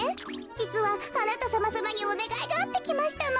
じつはあなたさまさまにおねがいがあってきましたの。